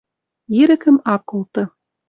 Ирӹкӹм ак колты.